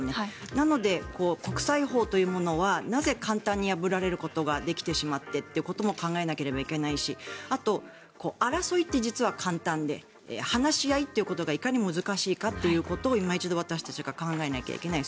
なので、国際法というものはなぜ簡単に破られることができてしまってということも考えなければいけないしあと、争いって実は簡単で話し合いということがいかに難しいかということをいま一度私たちが考えなきゃいけない。